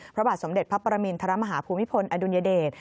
พระบาทสมเด็จพระปรมินทรมาฮาภูมิพลอดุลยเดช